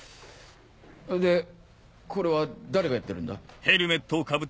でこれは誰がやってるんだ？